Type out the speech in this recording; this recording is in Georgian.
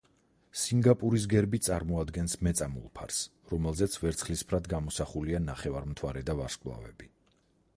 სინგაპურის გერბი წარმოადგენს მეწამულ ფარს, რომელზეც ვერცხლისფრად გამოსახულია ნახევარმთვარე და ვარსკვლავები.